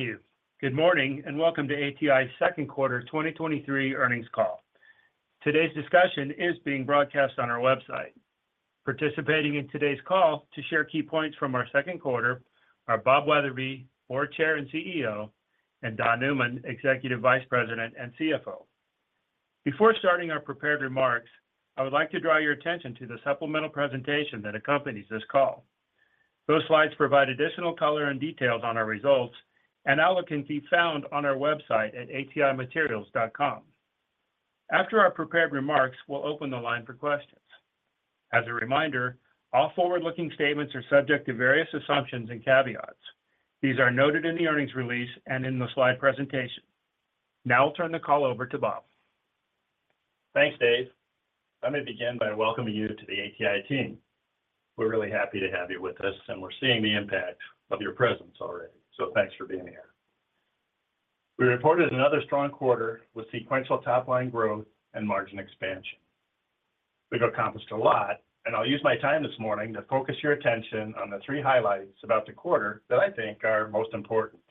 Thank you. Good morning, welcome to ATI's Second Quarter, 2023 Earnings Call. Today's discussion is being broadcast on our website. Participating in today's call to share key points from our second quarter are Bob Wetherbee, Board Chair and CEO, and Don Newman, Executive Vice President and CFO. Before starting our prepared remarks, I would like to draw your attention to the supplemental presentation that accompanies this call. Those slides provide additional color and details on our results, and all can be found on our website at atimaterials.com. After our prepared remarks, we'll open the line for questions. As a reminder, all forward-looking statements are subject to various assumptions and caveats. These are noted in the earnings release and in the slide presentation. Now I'll turn the call over to Bob. Thanks, Dave. Let me begin by welcoming you to the ATI team. We're really happy to have you with us, and we're seeing the impact of your presence already, so thanks for being here. We reported another strong quarter with sequential top-line growth and margin expansion. We've accomplished a lot, and I'll use my time this morning to focus your attention on the three highlights about the quarter that I think are most important.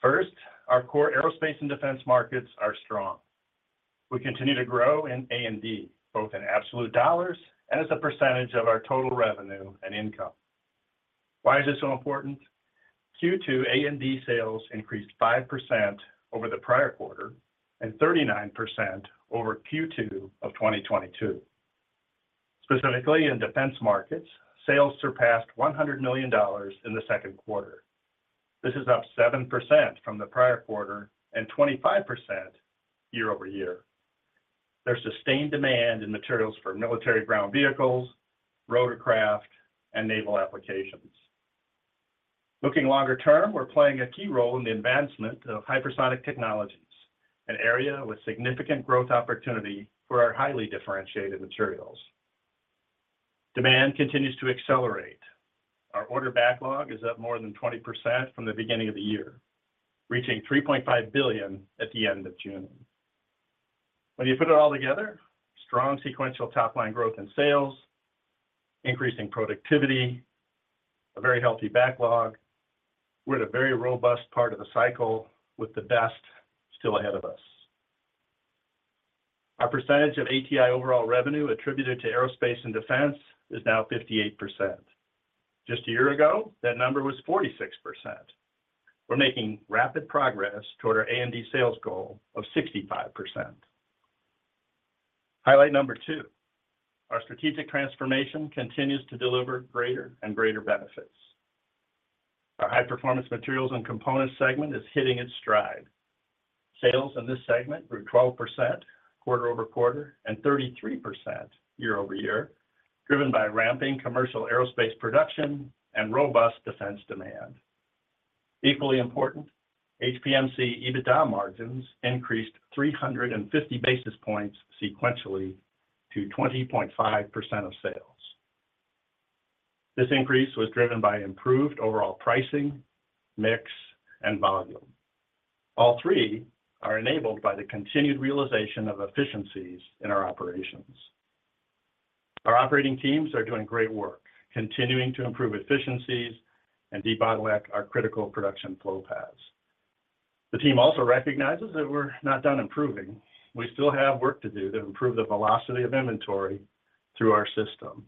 First, our core aerospace and defense markets are strong. We continue to grow in A and D, both in absolute dollars and as a percentage of our total revenue and income. Why is this so important? Q2 A and D sales increased 5% over the prior quarter and 39% over Q2 of 2022. Specifically, in defense markets, sales surpassed $100 million in the second quarter. This is up 7% from the prior quarter and 25% year-over-year. There's sustained demand in materials for military ground vehicles, rotorcraft, and naval applications. Looking longer term, we're playing a key role in the advancement of hypersonic technologies, an area with significant growth opportunity for our highly differentiated materials. Demand continues to accelerate. Our order backlog is up more than 20% from the beginning of the year, reaching $3.5 billion at the end of June. When you put it all together, strong sequential top-line growth in sales, increasing productivity, a very healthy backlog. We're at a very robust part of the cycle with the best still ahead of us. Our percentage of ATI overall revenue attributed to aerospace and defense is now 58%. Just a year ago, that number was 46%. We're making rapid progress toward our A&D sales goal of 65%. Highlight number two, our strategic transformation continues to deliver greater and greater benefits. Our High Performance Materials & Components segment is hitting its stride. Sales in this segment grew 12% quarter-over-quarter and 33% year-over-year, driven by ramping commercial aerospace production and robust defense demand. Equally important, HPMC EBITDA margins increased 350 basis points sequentially to 20.5% of sales. This increase was driven by improved overall pricing, mix, and volume. All three are enabled by the continued realization of efficiencies in our operations. Our operating teams are doing great work, continuing to improve efficiencies and debottleneck our critical production flow paths. The team also recognizes that we're not done improving. We still have work to do to improve the velocity of inventory through our system.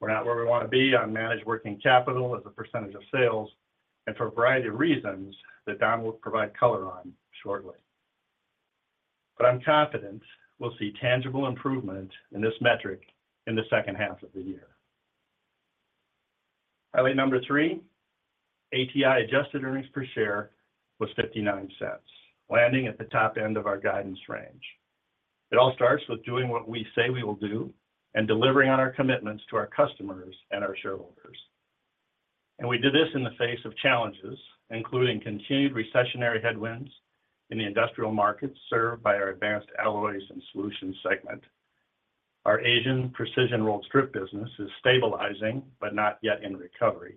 We're not where we want to be on managed working capital as a percentage of sales, and for a variety of reasons that Don will provide color on shortly. I'm confident we'll see tangible improvement in this metric in the second half of the year. Highlight number three, ATI adjusted earnings per share was $0.59, landing at the top end of our guidance range. It all starts with doing what we say we will do and delivering on our commitments to our customers and our shareholders. We did this in the face of challenges, including continued recessionary headwinds in the industrial markets served by our Advanced Alloys & Solutions segment. Our Asian precision rolled strip business is stabilizing, but not yet in recovery,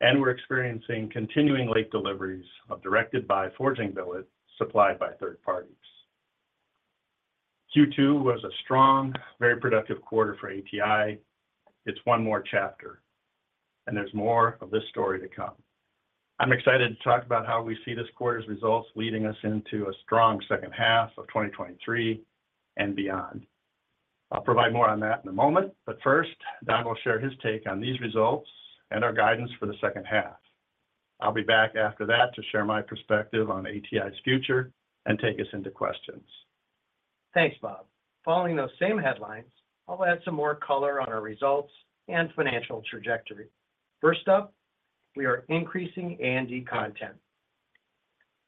and we're experiencing continuing late deliveries of direct-forged billet supplied by third parties. Q2 was a strong, very productive quarter for ATI. It's one more chapter. There's more of this story to come. I'm excited to talk about how we see this quarter's results leading us into a strong second half of 2023 and beyond. I'll provide more on that in a moment. First, Don will share his take on these results and our guidance for the second half. I'll be back after that to share my perspective on ATI's future and take us into questions. Thanks, Bob. Following those same headlines, I'll add some more color on our results and financial trajectory. First up, we are increasing A&D content.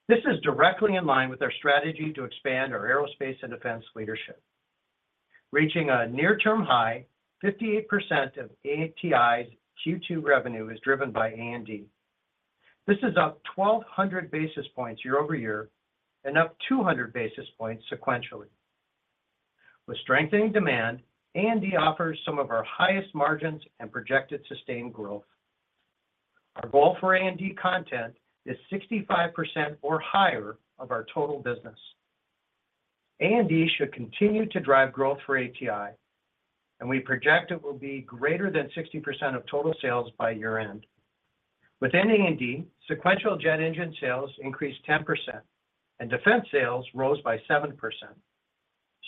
This is directly in line with our strategy to expand our aerospace and defense leadership. Reaching a near-term high, 58% of ATI's Q2 revenue is driven by A&D. This is up 1,200 basis points year-over-year and up 200 basis points sequentially. With strengthening demand, A&D offers some of our highest margins and projected sustained growth. Our goal for A&D content is 65% or higher of our total business. A&D should continue to drive growth for ATI, and we project it will be greater than 60% of total sales by year-end. Within A&D, sequential jet engine sales increased 10%, and defense sales rose by 7%.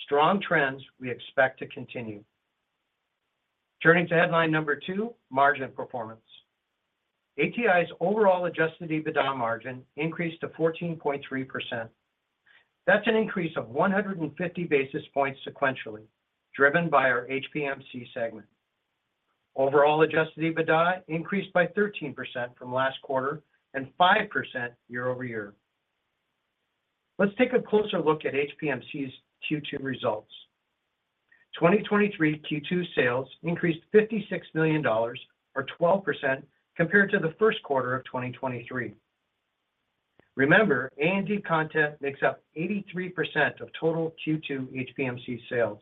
Strong trends we expect to continue. Turning to headline number two, margin performance. ATI's overall adjusted EBITDA margin increased to 14.3%. That's an increase of 150 basis points sequentially, driven by our HPMC segment. Overall, adjusted EBITDA increased by 13% from last quarter and 5% year-over-year. Let's take a closer look at HPMC's Q2 results. 2023 Q2 sales increased $56 million or 12% compared to the first quarter of 2023. Remember, A&D content makes up 83% of total Q2 HPMC sales.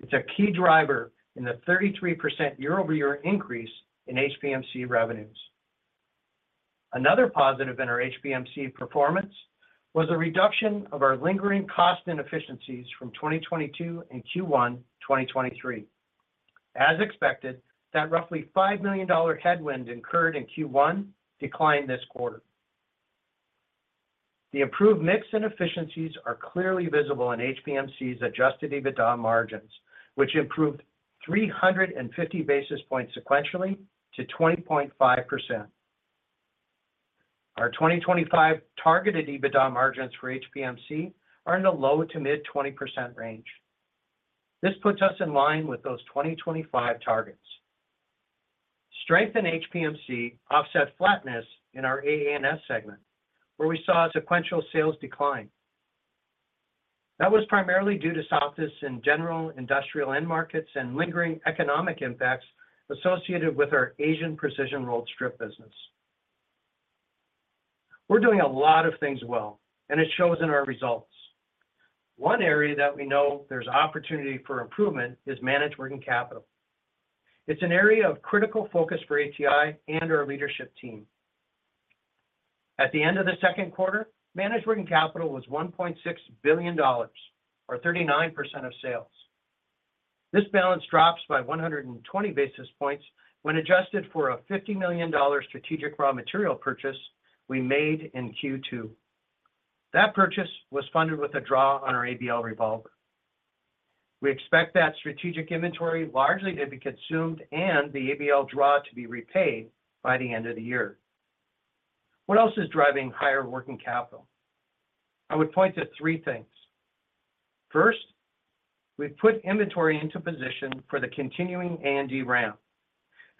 It's a key driver in the 33% year-over-year increase in HPMC revenues. Another positive in our HPMC performance was a reduction of our lingering cost inefficiencies from 2022 and Q1, 2023. As expected, that roughly $5 million headwind incurred in Q1 declined this quarter. The improved mix and efficiencies are clearly visible in HPMC's adjusted EBITDA margins, which improved 350 basis points sequentially to 20.5%. Our 2025 targeted EBITDA margins for HPMC are in the low to mid-20% range. This puts us in line with those 2025 targets. Strength in HPMC offset flatness in our AA&S segment, where we saw a sequential sales decline. That was primarily due to softness in general industrial end markets and lingering economic impacts associated with our Asian precision rolled strip business. We're doing a lot of things well, and it shows in our results. One area that we know there's opportunity for improvement is managed working capital. It's an area of critical focus for ATI and our leadership team. At the end of the second quarter, managed working capital was $1.6 billion or 39% of sales. This balance drops by 120 basis points when adjusted for a $50 million strategic raw material purchase we made in Q2. That purchase was funded with a draw on our ABL revolver. We expect that strategic inventory largely to be consumed and the ABL draw to be repaid by the end of the year. What else is driving higher working capital? I would point to three things: First, we've put inventory into position for the continuing A&D ramp.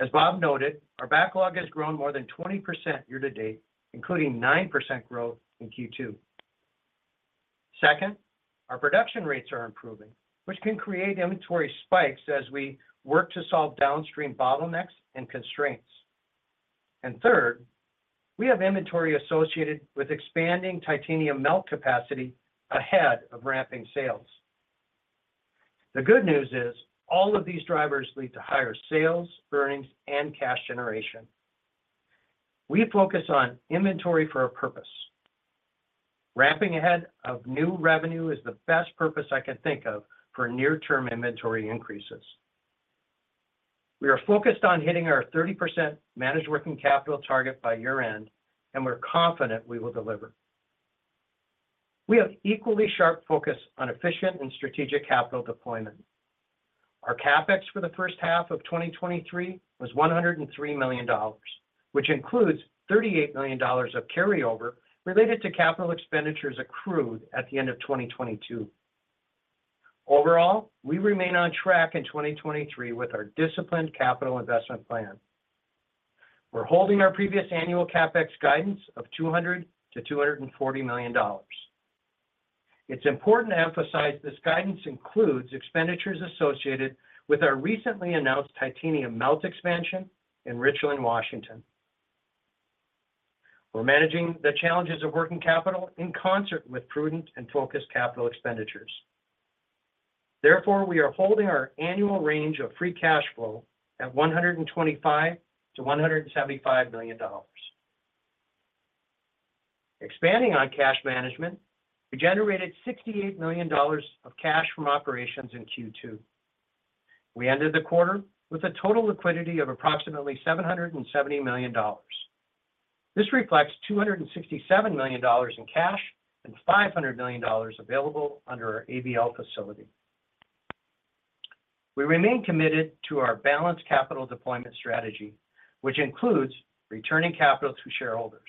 As Bob noted, our backlog has grown more than 20% year-to-date, including 9% growth in Q2. Second, our production rates are improving, which can create inventory spikes as we work to solve downstream bottlenecks and constraints. Third, we have inventory associated with expanding titanium melt capacity ahead of ramping sales. The good news is, all of these drivers lead to higher sales, earnings, and cash generation. We focus on inventory for a purpose. Ramping ahead of new revenue is the best purpose I can think of for near-term inventory increases. We are focused on hitting our 30% managed working capital target by year-end, and we're confident we will deliver. We have equally sharp focus on efficient and strategic capital deployment. Our CapEx for the first half of 2023 was $103 million, which includes $38 million of carryover related to capital expenditures accrued at the end of 2022. Overall, we remain on track in 2023 with our disciplined capital investment plan. We're holding our previous annual CapEx guidance of $200 million to $240 million. It's important to emphasize this guidance includes expenditures associated with our recently announced titanium melt expansion in Richland, Washington. We're managing the challenges of working capital in concert with prudent and focused capital expenditures. We are holding our annual range of free cash flow at $125 million to $175 million. Expanding on cash management, we generated $68 million of cash from operations in Q2. We ended the quarter with a total liquidity of approximately $770 million. This reflects $267 million in cash and $500 million available under our ABL facility. We remain committed to our balanced capital deployment strategy, which includes returning capital to shareholders.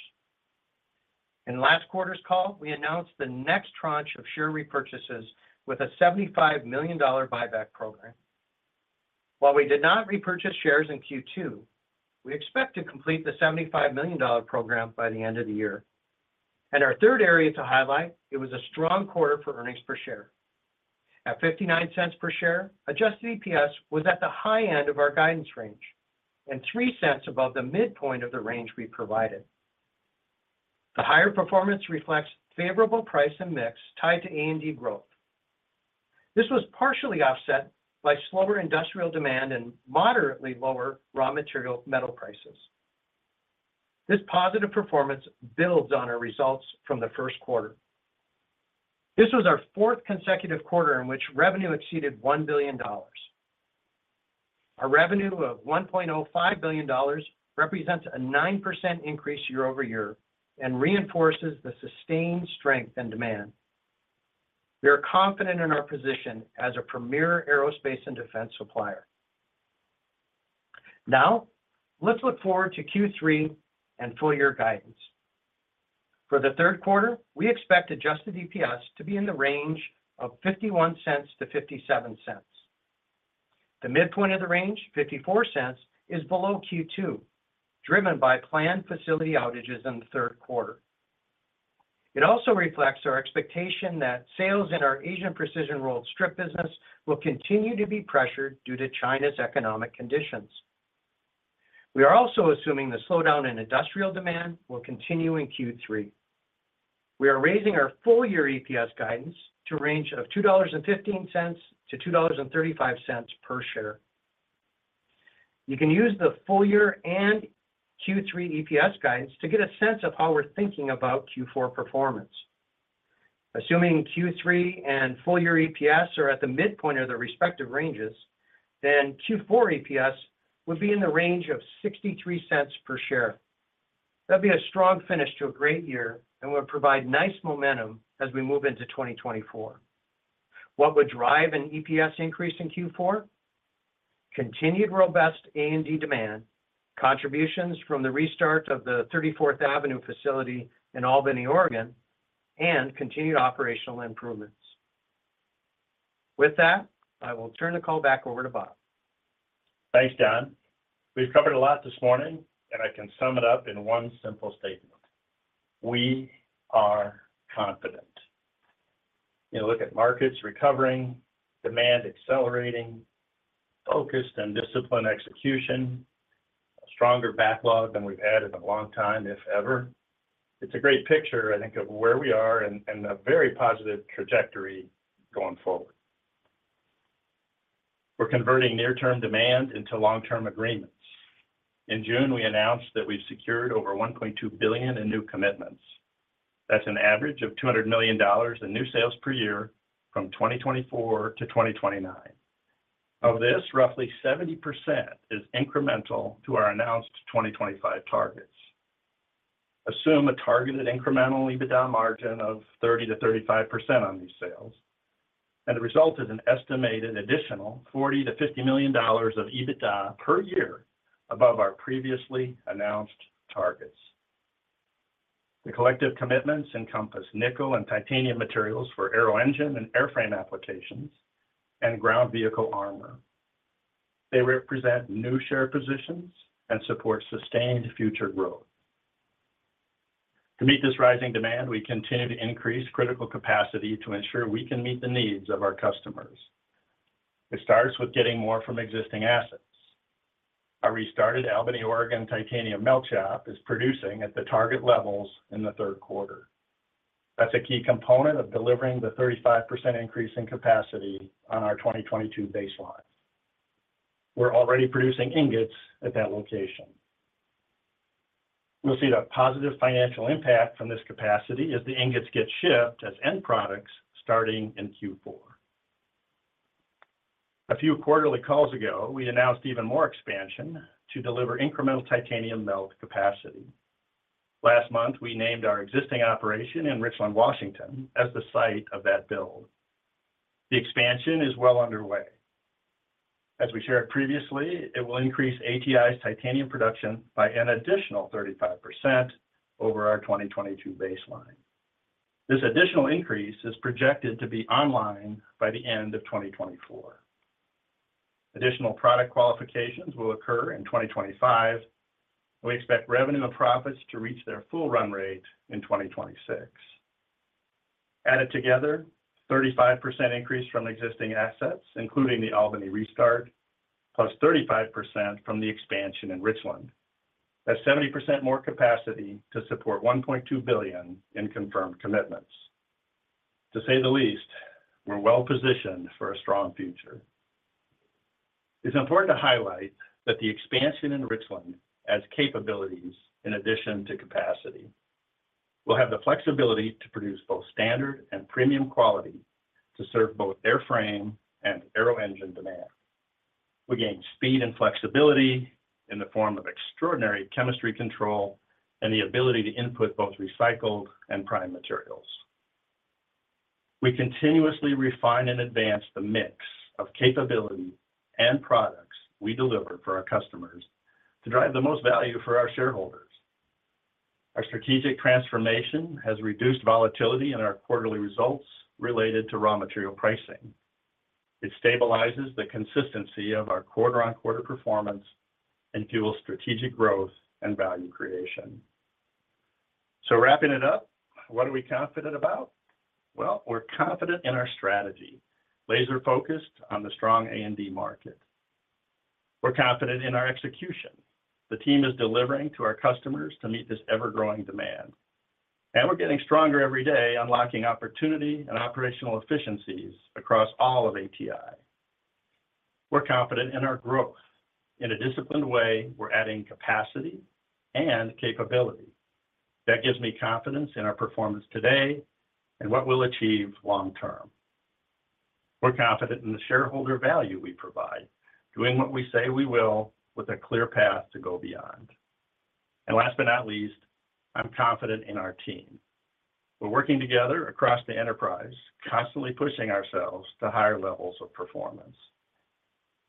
In last quarter's call, we announced the next tranche of share repurchases with a $75 million buyback program. While we did not repurchase shares in Q2, we expect to complete the $75 million program by the end of the year. Our third area to highlight, it was a strong quarter for earnings per share. At $0.59 per share, adjusted EPS was at the high end of our guidance range and $0.03 above the midpoint of the range we provided. The higher performance reflects favorable price and mix tied to A&D growth. This was partially offset by slower industrial demand and moderately lower raw material metal prices. This positive performance builds on our results from the first quarter. This was our fourth consecutive quarter in which revenue exceeded $1 billion. Our revenue of $1.05 billion represents a 9% increase year-over-year and reinforces the sustained strength and demand. We are confident in our position as a premier aerospace and defense supplier. Now, let's look forward to Q3 and full year guidance. For the third quarter, we expect adjusted EPS to be in the range of $0.51-$0.57. The midpoint of the range, $0.54, is below Q2, driven by planned facility outages in the third quarter. It also reflects our expectation that sales in our Asian precision rolled strip business will continue to be pressured due to China's economic conditions. We are also assuming the slowdown in industrial demand will continue in Q3. We are raising our full year EPS guidance to a range of $2.15-$2.35 per share. You can use the full year and Q3 EPS guidance to get a sense of how we're thinking about Q4 performance. Assuming Q3 and full year EPS are at the midpoint of the respective ranges, then Q4 EPS would be in the range of $0.63 per share. That'd be a strong finish to a great year and would provide nice momentum as we move into 2024. What would drive an EPS increase in Q4? Continued robust A&D demand, contributions from the restart of the 34th Avenue facility in Albany, Oregon, and continued operational improvements. With that, I will turn the call back over to Bob. Thanks, Don. We've covered a lot this morning, and I can sum it up in one simple statement: We are confident. You look at markets recovering, demand accelerating, focused and disciplined execution, a stronger backlog than we've had in a long time, if ever. It's a great picture of where we are and a very positive trajectory going forward. We're converting near-term demand into long-term agreements. In June, we announced that we've secured over $1.2 billion in new commitments. That's an average of $200 million in new sales per year from 2024-2029. Of this, roughly 70% is incremental to our announced 2025 targets. Assume a targeted incremental EBITDA margin of 30%-35% on these sales, and the result is an estimated additional $40 million to $50 million of EBITDA per year above our previously announced targets. The collective commitments encompass nickel and titanium materials for aero-engine and airframe applications and ground vehicle armor. They represent new share positions and support sustained future growth. To meet this rising demand, we continue to increase critical capacity to ensure we can meet the needs of our customers. It starts with getting more from existing assets. Our restarted Albany, Oregon, titanium melt shop is producing at the target levels in the 3rd quarter. That's a key component of delivering the 35% increase in capacity on our 2022 baseline. We're already producing ingots at that location. We'll see the positive financial impact from this capacity as the ingots get shipped as end products starting in Q4. A few quarterly calls ago, we announced even more expansion to deliver incremental titanium melt capacity. Last month, we named our existing operation in Richland, Washington, as the site of that build. The expansion is well underway. As we shared previously, it will increase ATI's titanium production by an additional 35% over our 2022 baseline. This additional increase is projected to be online by the end of 2024. Additional product qualifications will occur in 2025. We expect revenue and profits to reach their full run rate in 2026. Added together, 35% increase from existing assets, including the Albany restart, +35% from the expansion in Richland. That's 70% more capacity to support $1.2 billion in confirmed commitments. To say the least, we're well positioned for a strong future. It's important to highlight that the expansion in Richland as capabilities in addition to capacity, will have the flexibility to produce both standard and premium quality to serve both airframe and aero-engine demand. We gain speed and flexibility in the form of extraordinary chemistry control and the ability to input both recycled and prime materials. We continuously refine and advance the mix of capability and products we deliver for our customers to drive the most value for our shareholders. Our strategic transformation has reduced volatility in our quarterly results related to raw material pricing. It stabilizes the consistency of our quarter-over-quarter performance and fuels strategic growth and value creation. Wrapping it up, what are we confident about? Well, we're confident in our strategy, laser-focused on the strong A&D market. We're confident in our execution. The team is delivering to our customers to meet this ever-growing demand. We're getting stronger every day, unlocking opportunity and operational efficiencies across all of ATI. We're confident in our growth. In a disciplined way, we're adding capacity and capability. That gives me confidence in our performance today and what we'll achieve long term. We're confident in the shareholder value we provide, doing what we say we will, with a clear path to go beyond. Last but not least, I'm confident in our team. We're working together across the enterprise, constantly pushing ourselves to higher levels of performance.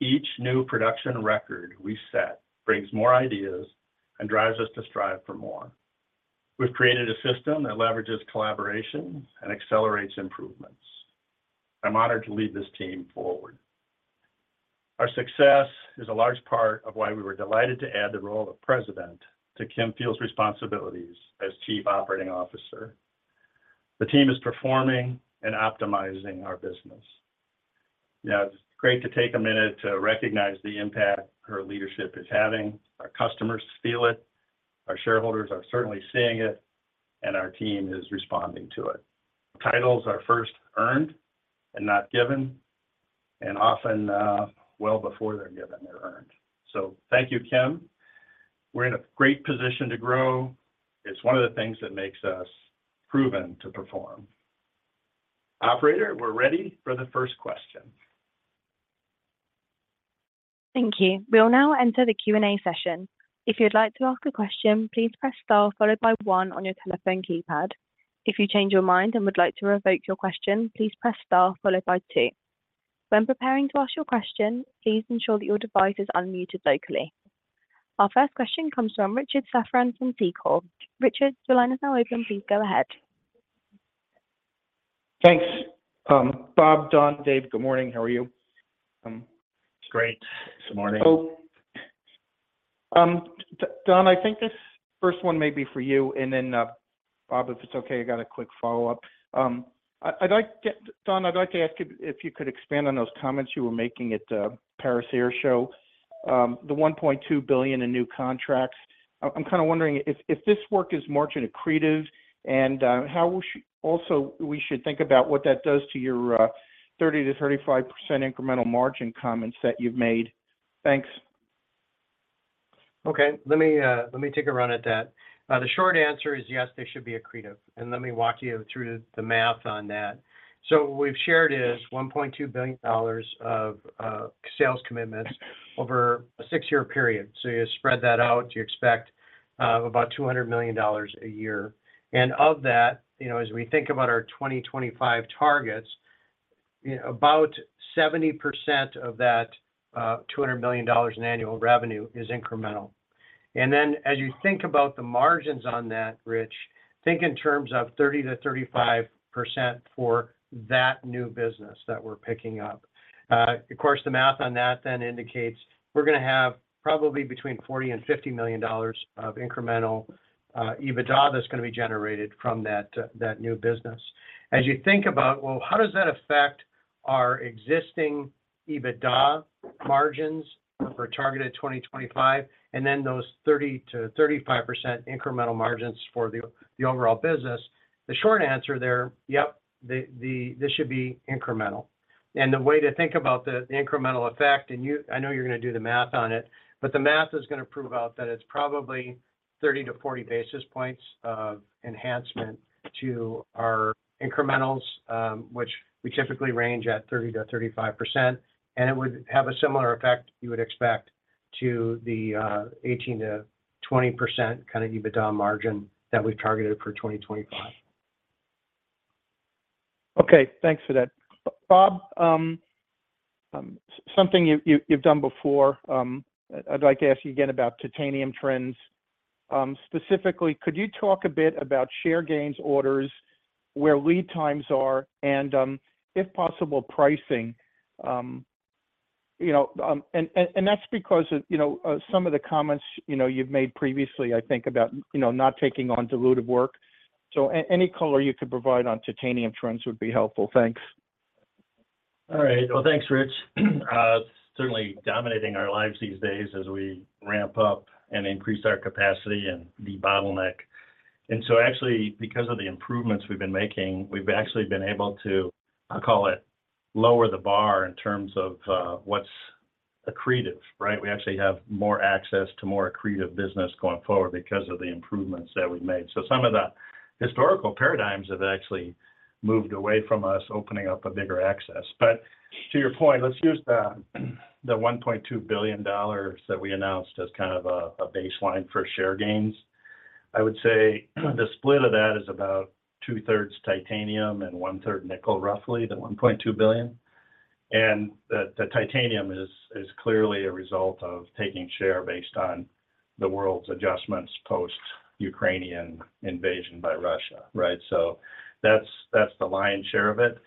Each new production record we set brings more ideas and drives us to strive for more. We've created a system that leverages collaboration and accelerates improvements. I'm honored to lead this team forward. Our success is a large part of why we were delighted to add the role of president to Kim Fields' responsibilities as Chief Operating Officer. The team is performing and optimizing our business. Now, it's great to take a minute to recognize the impact her leadership is having. Our customers feel it, our shareholders are certainly seeing it, and our team is responding to it. Titles are first earned and not given, and often, well before they're given, they're earned. Thank you, Kim. We're in a great position to grow. It's one of the things that makes us proven to perform. Operator, we're ready for the first question. Thank you. We'll now enter the Q&A session. If you'd like to ask a question, please press Star, followed by One on your telephone keypad. If you change your mind and would like to revoke your question, please press Star followed by Two. When preparing to ask your question, please ensure that your device is unmuted locally. Our first question comes from Richard Safran from Seaport Research Partners. Richard, the line is now open. Please go ahead. Thanks. Bob, Don, Dave, good morning. How are you? Great. Good morning. Oh, Don, I think this first one may be for you, and then, Bob, if it's okay, I got a quick follow-up. I'd like to get Don, I'd like to ask you if you could expand on those comments you were making at the Paris Air Show, the $1.2 billion in new contracts. I'm kind of wondering if this work is margin accretive and how we also should think about what that does to your 30% to 35% incremental margin comments that you've made? Thanks. Okay. Let me take a run at that. The short answer is yes, they should be accretive, and let me walk you through the math on that. What we've shared is $1.2 billion of sales commitments over a 6-year period. You spread that out, you expect about $200 million a year. Of that, you know, as we think about our 2025 targets, about 70% of that $200 million in annual revenue is incremental. As you think about the margins on that, Rich, think in terms of 30%-35% for that new business that we're picking up. Of course, the math on that then indicates we're gonna have probably between $40 million and $50 million of incremental EBITDA that's gonna be generated from that new business. As you think about, well, how does that affect our existing EBITDA margins for targeted 2025, and then those 30%-35% incremental margins for the overall business? The short answer there, yep, this should be incremental. The way to think about the incremental effect, and I know you're gonna do the math on it, but the math is gonna prove out that it's probably 30-40 basis points of enhancement to our incrementals, which we typically range at 30%-35%, and it would have a similar effect you would expect to the 18%-20% kind of EBITDA margin that we've targeted for 2025. Okay, thanks for that. Bob, something you've done before, I'd like to ask you again about titanium trends. Specifically, could you talk a bit about share gains orders, where lead times are, and, if possible, pricing because of some of the comments you've made previously, I think about not taking on dilutive work. Any color you could provide on titanium trends would be helpful. Thanks. All right. Well, thanks, Rich. Certainly dominating our lives these days as we ramp up and increase our capacity and the bottleneck. Actually, because of the improvements we've been making, we've actually been able to, I call it, lower the bar in terms of what's accretive, right? We actually have more access to more accretive business going forward because of the improvements that we've made. Some of the historical paradigms have actually moved away from us, opening up a bigger access. To your point, let's use the $1.2 billion that we announced as kind of a baseline for share gains. I would say, the split of that is about 2/3 titanium and 1/3 nickel, roughly, the $1.2 billion. The titanium is clearly a result of taking share based on the world's adjustments post-Ukrainian invasion by Russia, right? That's the lion's share of it.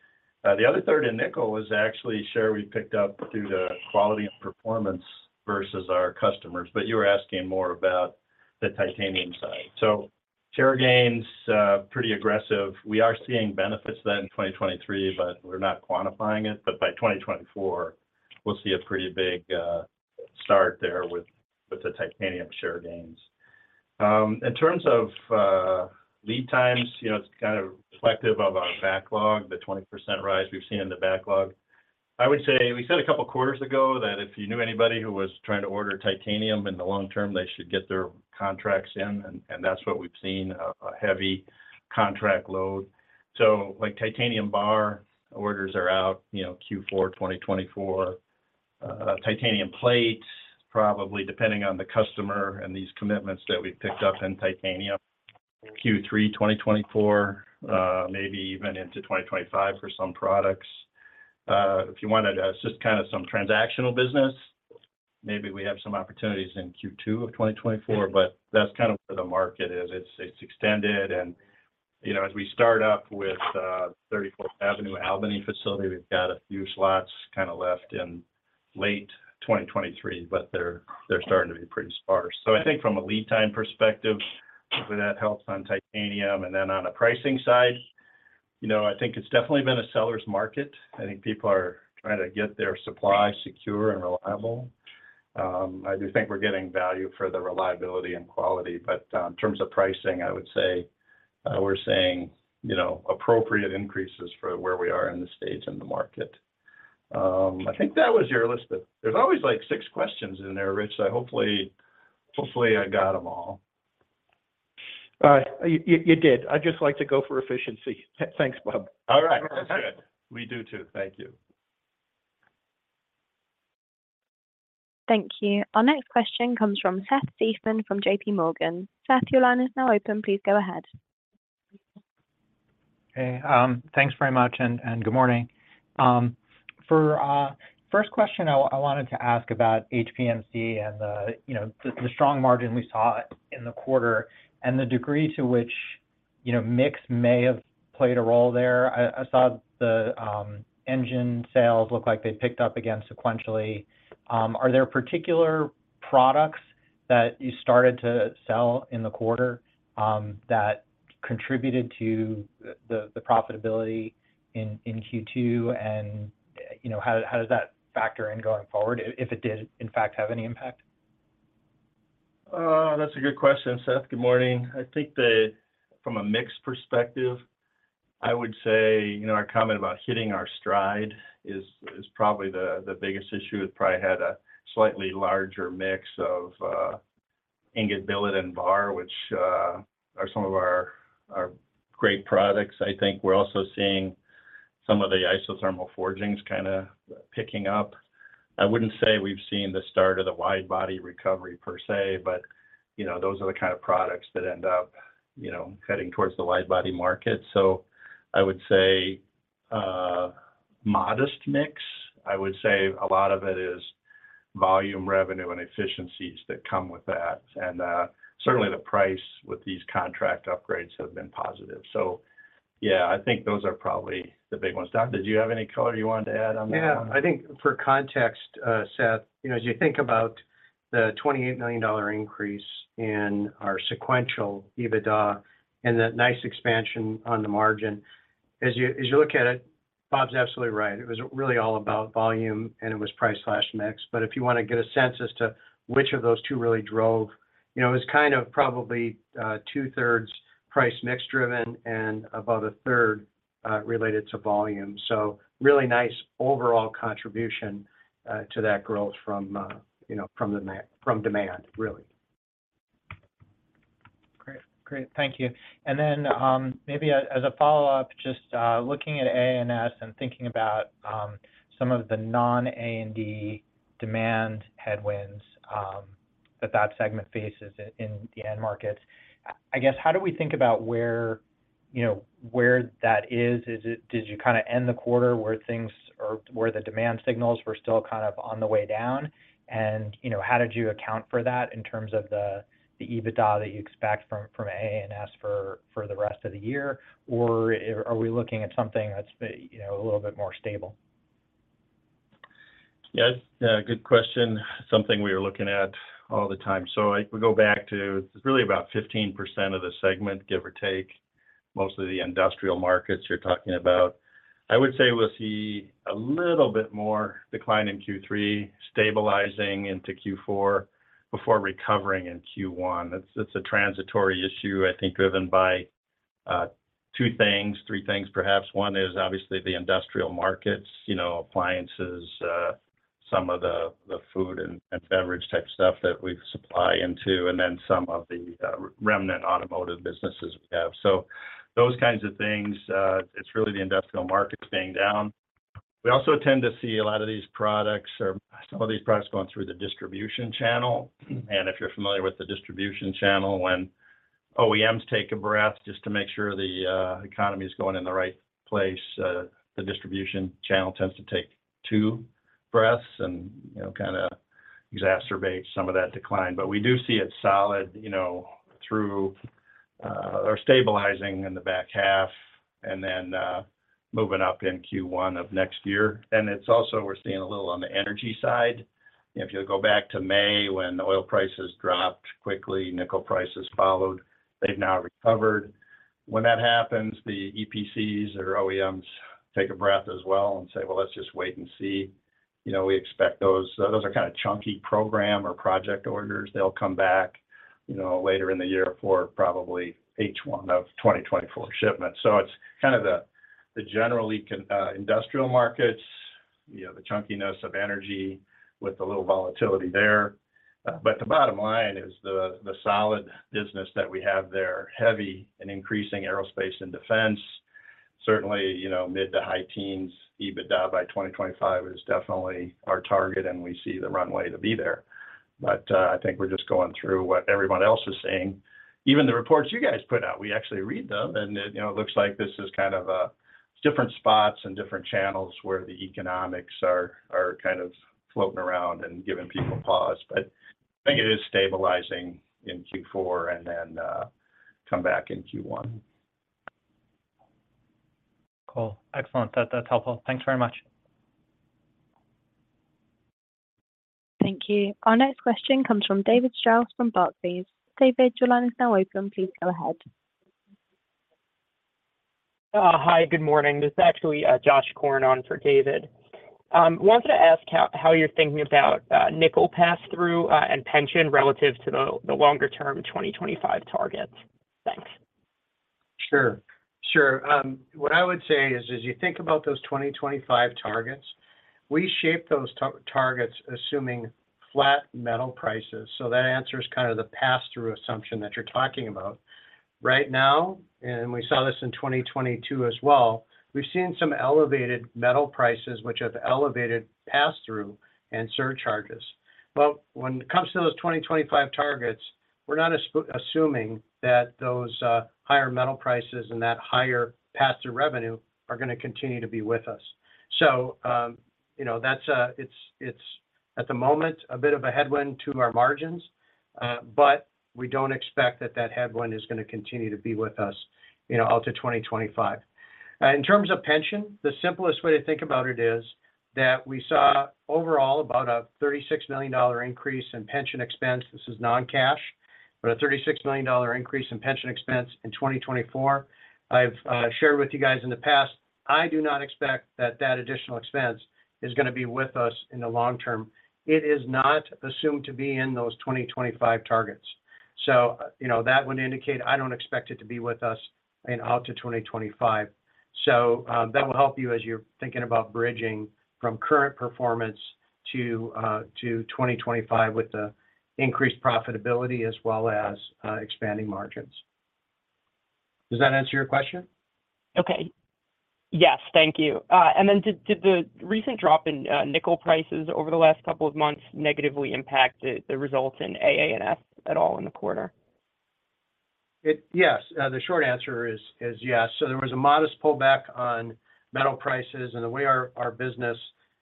The other third in nickel is actually share we picked up through the quality and performance versus our customers, but you were asking more about the titanium side. Share gains, pretty aggressive. We are seeing benefits then in 2023, but we're not quantifying it. By 2024, we'll see a pretty big start there with the titanium share gains. In terms of lead times it's kind of reflective of our backlog, the 20% rise we've seen in the backlog. I would say, we said a couple of quarters ago that if you knew anybody who was trying to order titanium in the long term, they should get their contracts in, and that's what we've seen, a heavy contract load. Like titanium bar orders are out, you know, Q4 2024. Titanium plate, probably depending on the customer and these commitments that we've picked up in titanium, Q3 2024, maybe even into 2025 for some products. If you wanted just some transactional business, maybe we have some opportunities in Q2 2024, but that's kind of where the market is. It's, it's extended and, you know, as we start up with 34th Avenue, Albany facility, we've got a few slots left in late 2023, but they're, they're starting to be pretty sparse. I think from a lead time perspective, that helps on titanium, and then on a pricing side, you know, I think it's definitely been a seller's market. I think people are trying to get their supply secure and reliable. I do think we're getting value for the reliability and quality, but in terms of pricing, I would say, we're seeing, you know, appropriate increases for where we are in the states and the market. I think that was your list, but there's always, like, six questions in there, Rich, so hopefully, hopefully, I got them all. You, you did. I just like to go for efficiency. Thanks, Bob. All right, that's good. We do too. Thank you. Thank you. Our next question comes from Seth Seifman from JPMorgan. Seth, your line is now open. Please go ahead. Hey, thanks very much, and good morning. For our first question, wanted to ask about HPMC and the strong margin we saw in the quarter and the degree to which, you know, mix may have played a role there. I saw the engine sales look like they picked up again sequentially. Are there particular products that you started to sell in the quarter that contributed to the profitability in Q2, and how does that factor in going forward, if it did, in fact, have any impact? That's a good question, Seth. Good morning. I think that from a mix perspective, I would say, you know, our comment about hitting our stride is, is probably the biggest issue. It probably had a slightly larger mix of ingot, billet, and bar, which are some of our great products. I think we're also seeing some of the isothermal forgings kinda picking up. I wouldn't say we've seen the start of the wide-body recovery per se, but, you know, those are the kind of products that end up, you know, heading towards the wide-body market. I would say, modest mix. I would say a lot of it is volume revenue and efficiencies that come with that, and, certainly the price with these contract upgrades have been positive. Yeah, I think those are probably the big ones. Don, did you have any color you wanted to add on that one? Yeah, I think for context, Seth, you know, as you think about the $28 million increase in our sequential EBITDA and that nice expansion on the margin, as you, as you look at it, Bob's absolutely right. It was really all about volume, and it was price slash mix. If you want to get a sense as to which of those two really drove, you know, it's kind of probably, 2/3 price mix driven and about a third related to volume. Really nice overall contribution to that growth from demand, really. Great. Great, thank you. Then, maybe as a follow-up, just, looking at A&S and thinking about, some of the non-A&D demand headwinds, that the segment faces in the end markets. How do we think about where that is? Did you kind of end the quarter where things or where the demand signals were still kind of on the way down? How did you account for that in terms of the EBITDA that you expect from A&S for the rest of the year? Or are we looking at something that's a little bit more stable? Yes, good question. Something we are looking at all the time. We go back to really about 15% of the segment, give or take, mostly the industrial markets you're talking about. I would say we'll see a little bit more decline in Q3, stabilizing into Q4 before recovering in Q1. It's a transitory issue, I think, driven by 2 things, 3 things, perhaps. One is obviously the industrial markets, you know, appliances, some of the food and beverage type stuff that we supply into, and then some of the remnant automotive businesses we have. Those kinds of things, it's really the industrial markets being down. We also tend to see a lot of these products or some of these products going through the distribution channel. If you're familiar with the distribution channel, when OEMs take a breath just to make sure the economy is going in the right place, the distribution channel tends to take 2 breaths and exacerbate some of that decline. We do see it solid, you know, through or stabilizing in the back half and then moving up in Q1 of next year. It's also we're seeing a little on the energy side. If you go back to May, when the oil prices dropped quickly, nickel prices followed. They've now recovered. When that happens, the EPCs or OEMs take a breath as well and say, "Well, let's just wait and see." You know, we expect those, those are kind of chunky program or project orders. They'll come back, you know, later in the year for probably H1 of 2024 shipments. It's the generally industrial markets the chunkiness of energy with a little volatility there. The bottom line is the solid business that we have there, heavy and increasing Aerospace and Defense, certainly mid-to-high teens EBITDA by 2025 is definitely our target, and we see the runway to be there. I think we're just going through what everyone else is seeing. Even the reports you guys put out, we actually read them, and it looks like this is kind of different spots and different channels where the economics are floating around and giving people pause. I think it is stabilizing in Q4 and then come back in Q1. Cool. Excellent. That, that's helpful. Thanks very much. Thank you. Our next question comes from David Strauss from Barclays. David, your line is now open. Please go ahead. Hi, good morning. This is actually Josh Korn on for David. Wanted to ask how, how you're thinking about nickel pass-through and pension relative to the longer-term 2025 targets. Thanks. Sure, sure. What I would say is, as you think about those 2025 targets, we shape those targets assuming flat metal prices. That answers kind of the pass-through assumption that you're talking about. Right now, and we saw this in 2022 as well, we've seen some elevated metal prices, which have elevated pass-through and surcharges. When it comes to those 2025 targets, we're not assuming that those higher metal prices and that higher pass-through revenue are gonna continue to be with us. At the moment, a bit of a headwind to our margins, but we don't expect that that headwind is gonna continue to be with us, you know, out to 2025. In terms of pension, the simplest way to think about it is that we saw overall about a $36 million increase in pension expense. This is non-cash, but a $36 million increase in pension expense in 2024. I've shared with you guys in the past, I do not expect that that additional expense is gonna be with us in the long term. It is not assumed to be in those 2025 targets. You know, that would indicate I don't expect it to be with us in out to 2025. That will help you as you're thinking about bridging from current performance to 2025 with the increased profitability as well as expanding margins. Does that answer your question? Okay. Yes, thank you. Did the recent drop in nickel prices over the last couple of months negatively impact the results in AA&S at all in the quarter? Yes. The short answer is, is yes. There was a modest pullback on metal prices and the way our business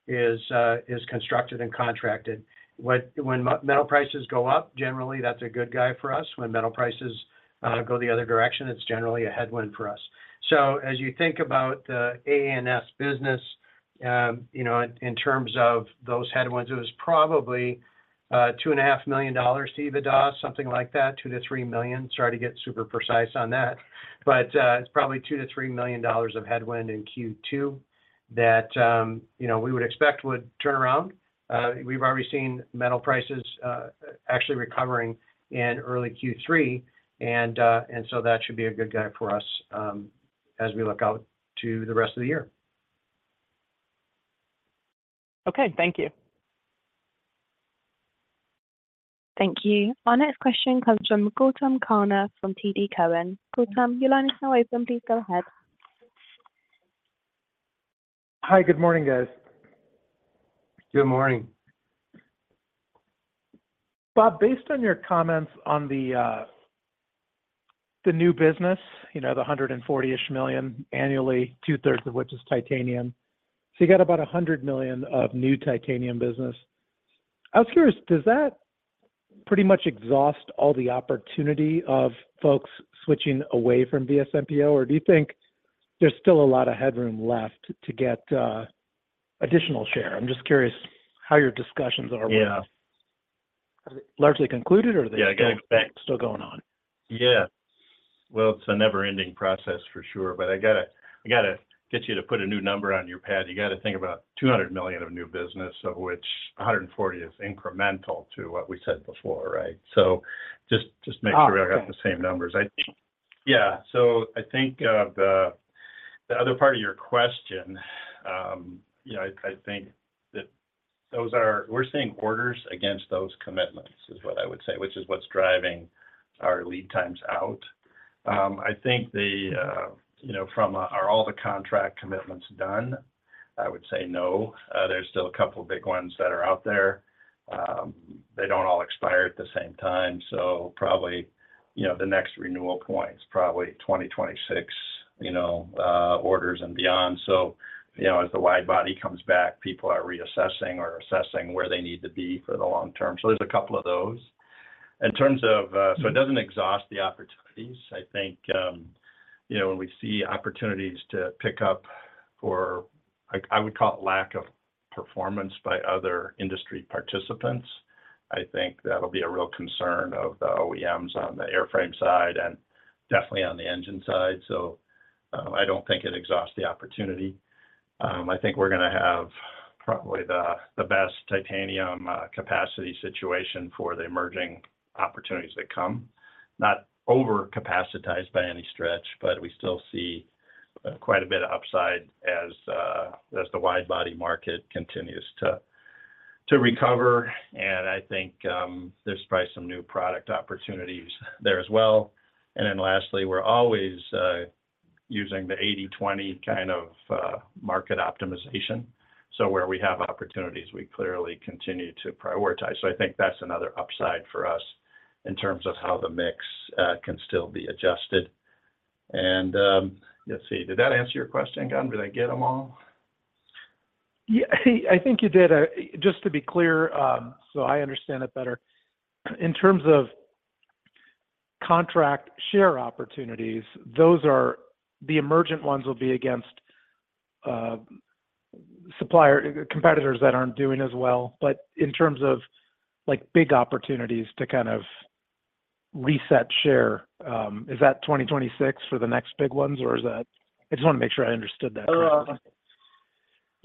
is constructed and contracted. When metal prices go up, generally, that's a good guy for us. When metal prices go the other direction, it's generally a headwind for us. As you think about the AA&S business in terms of those headwinds, it was probably $2.5 million to EBITDA, something like that, $2 million to $3 million. Sorry to get super precise on that, but it's probably $2 million to $3 million of headwind in Q2 that we would expect would turn around. We've already seen metal prices, actually recovering in early Q3, and so that should be a good guy for us, as we look out to the rest of the year. Okay, thank you. Thank you. Our next question comes from Gautam Khanna from TD Cowen. Gautam, your line is now open. Please go ahead. Hi, good morning, guys. Good morning. Bob, based on your comments on the new business, you know, the $140-ish million annually, 2/3 of which is titanium. You got about $100 million of new titanium business. I was curious, does that pretty much exhaust all the opportunity of folks switching away from VSMPO, or do you think there's still a lot of headroom left to get, additional share? I'm just curious how your discussions are with largely concluded, or are they still going on? Yeah. Well, it's a never-ending process, for sure, but I gotta get you to put a new number on your pad. You gotta think about $200 million of new business, of which $140 million is incremental to what we said before, right? Just make sure. I got the same numbers. I think the other part of your question I think that those we're seeing orders against those commitments, is what I would say, which is what's driving our lead times out. Are all the contract commitments done? I would say no. There's still a couple of big ones that are out there. They don't all expire at the same time, so probably, you know, the next renewal point is probably 2026, you know, orders and beyond. As the wide-body comes back, people are reassessing or assessing where they need to be for the long term. So there's a couple of those. It doesn't exhaust the opportunities. I think, you know, when we see opportunities to pick up for, I would call it lack of performance by other industry participants. I think that'll be a real concern of the OEMs on the airframe side and definitely on the engine side. I don't think it exhausts the opportunity. I think we're gonna have probably the best titanium capacity situation for the emerging opportunities that come. Not over-capacitized by any stretch, but we still see quite a bit of upside as the wide-body market continues to recover. I think there's probably some new product opportunities there as well. Lastly, we're always using the 80/20 kind of market optimization. Where we have opportunities, we clearly continue to prioritize. I think that's another upside for us in terms of how the mix can still be adjusted. Let's see. Did that answer your question, Don? Did I get them all? Yeah, I think you did. Just to be clear, so I understand it better, in terms of contract share opportunities, the emergent ones will be against competitors that aren't doing as well. In terms of, like, big opportunities to kind of reset share, is that 2026 for the next big ones? I just wanna make sure I understood that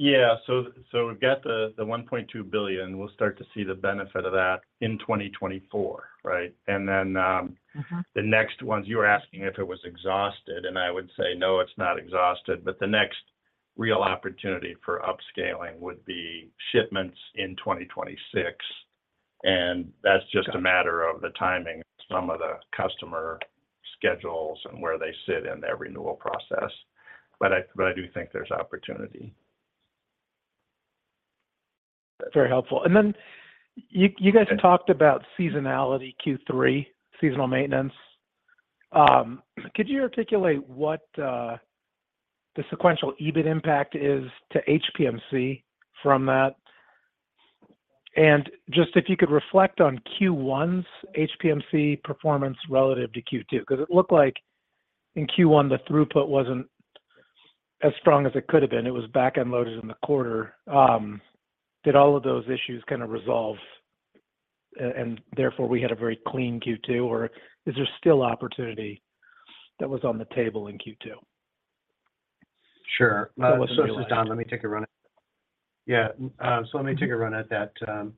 correctly. We've got the $1.2 billion. We'll start to see the benefit of that in 2024, right? Then the next ones, you were asking if it was exhausted, and I would say, no, it's not exhausted, but the next real opportunity for upscaling would be shipments in 2026, and that's just a matter of the timing of some of the customer schedules and where they sit in their renewal process. I do think there's opportunity. Very helpful. You guys talked about seasonality, Q3, seasonal maintenance. Could you articulate what the sequential EBIT impact is to HPMC from that? Just if you could reflect on Q1's HPMC performance relative to Q2, 'cause it looked like in Q1, the throughput wasn't as strong as it could have been. It was back-end loaded in the quarter. Did all of those issues kind of resolve, and therefore, we had a very clean Q2, or is there still opportunity that was on the table in Q2? This is Don, let me take a run at that.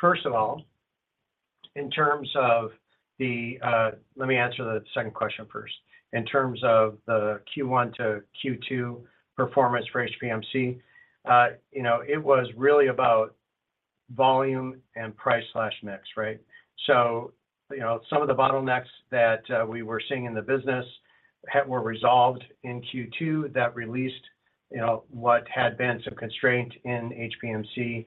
First of all, in terms of the, let me answer the second question first. In terms of the Q1 to Q2 performance for HPMC, you know, it was really about volume and price/mix, right? You know, some of the bottlenecks that we were seeing in the business were resolved in Q2 that released, you know, what had been some constraint in HPMC,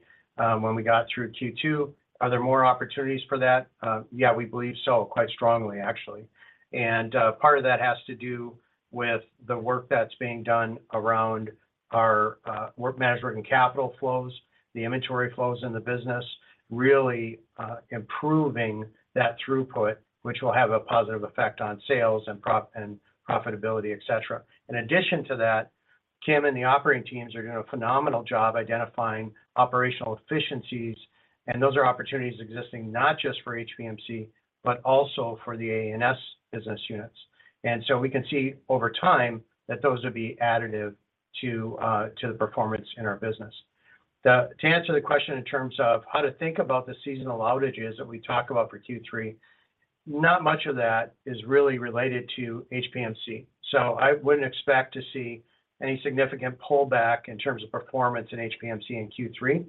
when we got through Q2. Are there more opportunities for that? Yeah, we believe so, quite strongly, actually. Part of that has to do with the work that's being done around our work management and capital flows, the inventory flows in the business, really improving that throughput, which will have a positive effect on sales and profitability, et cetera. In addition to that, Kim and the operating teams are doing a phenomenal job identifying operational efficiencies, and those are opportunities existing not just for HPMC, but also for the A&S business units. We can see over time that those would be additive to the performance in our business. To answer the question in terms of how to think about the seasonal outages that we talk about for Q3, not much of that is really related to HPMC. I wouldn't expect to see any significant pullback in terms of performance in HPMC in Q3.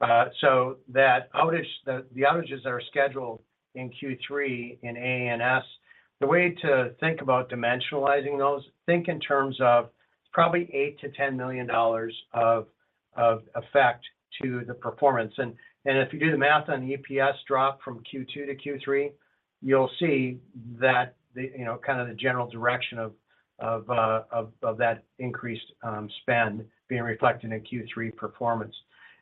That outage, the outages that are scheduled in Q3 in A&S, the way to think about dimensionalizing those, think in terms of probably $8 million to $10 million of effect to the performance. If you do the math on the EPS drop from Q2 to Q3, you'll see that the general direction of that increased spend being reflected in Q3 performance.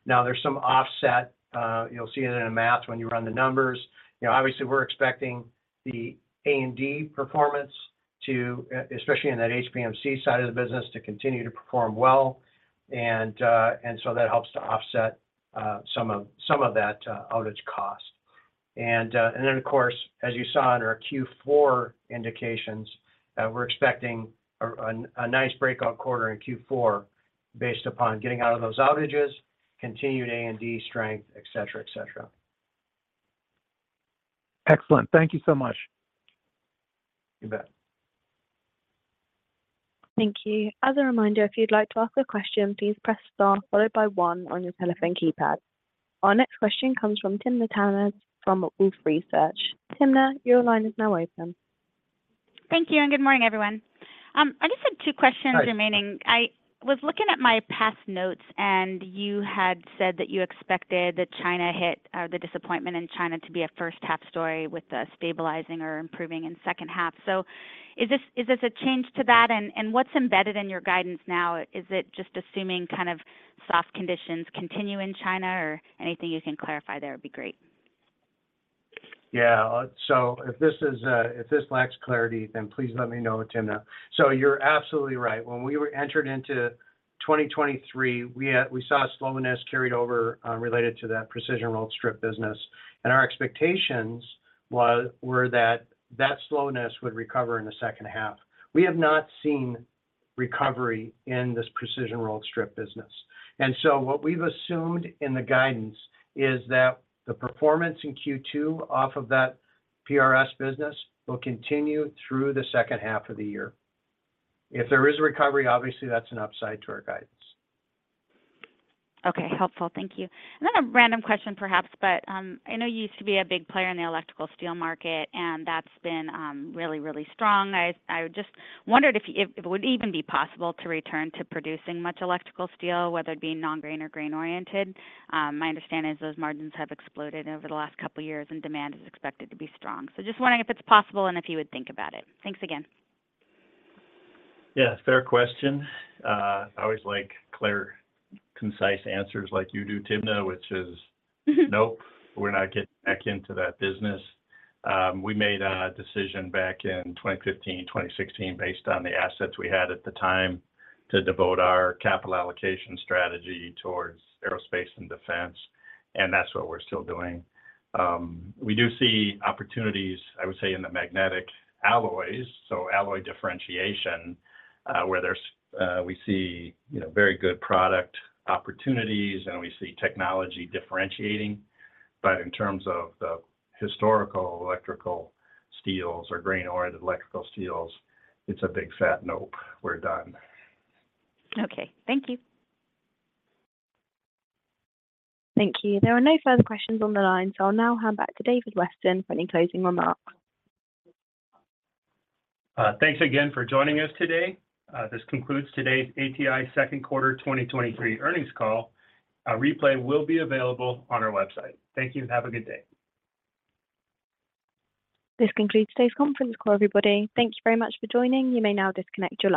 There's some offset, you'll see it in the math when you run the numbers. You know, obviously, we're expecting the A&D performance to, especially in that HPMC side of the business, to continue to perform well, that helps to offset some of that outage cost. Then, of course, as you saw in our Q4 indications, we're expecting a nice breakout quarter in Q4 based upon getting out of those outages, continued A&D strength, et cetera, et cetera. Excellent. Thank you so much. You bet. Thank you. As a reminder, if you'd like to ask a question, please press star followed by 1 on your telephone keypad. Our next question comes from Timna Tanners from Wolfe Research. Timna, your line is now open. Thank you, good morning, everyone. I just had 2 questions remaining. I was looking at my past notes, and you had said that you expected that China hit, or the disappointment in China to be a first-half story with the stabilizing or improving in second half. Is this, is this a change to that? What's embedded in your guidance now? Is it just assuming kind of soft conditions continue in China, or anything you can clarify there would be great? If this lacks clarity, then please let me know, Timna. You're absolutely right. When we were entered into 2023, we saw slowness carried over related to that precision-rolled strip business, and our expectations were that that slowness would recover in the second half. We have not seen recovery in this precision rolled strip business. What we've assumed in the guidance is that the performance in Q2 off of that PRS business will continue through the second half of the year. If there is a recovery, obviously, that's an upside to our guidance. Okay. Helpful, thank you. A random question perhaps, but I know you used to be a big player in the Electrical steel market, and that's been really, really strong. I would just wondered if it would even be possible to return to producing much Electrical steel, whether it be non-grain or grain-oriented. My understanding is those margins have exploded over the last couple of years, and demand is expected to be strong. Just wondering if it's possible and if you would think about it. Thanks again. Yeah, fair question. I always like clear, concise answers like you do, Timna, which is. Nope, we're not getting back into that business. We made a decision back in 2015, 2016, based on the assets we had at the time, to devote our capital allocation strategy towards aerospace and defense, and that's what we're still doing. We do see opportunities, I would say, in the magnetic alloys, so alloy differentiation, where there's, we see, you know, very good product opportunities, and we see technology differentiating. In terms of the historical electrical steels or Grain-oriented electrical steel, it's a big, fat nope. We're done. Okay. Thank you. Thank you. There are no further questions on the line, so I'll now hand back to David Weston for any closing remarks. Thanks again for joining us today. This concludes today's ATI second quarter 2023 earnings call. A replay will be available on our website. Thank you. Have a good day. This concludes today's conference call, everybody. Thank you very much for joining. You may now disconnect your line.